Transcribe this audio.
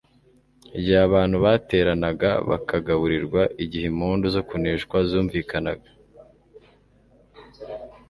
Igihe abantu bateranaga bakagaburirwa, igihe impundu zo kunesha zumvikanaga,